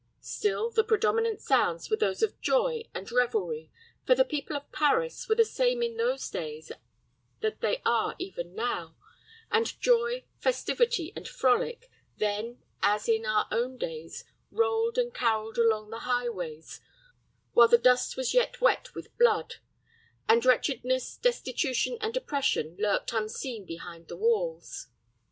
Still, the predominant sounds were those of joy and revelry; for the people of Paris were the same in those days that they are even now; and joy, festivity, and frolic, then, as in our own days, rolled and caroled along the highways, while the dust was yet wet with blood, and wretchedness, destitution, and oppression lurked unseen behind the walls.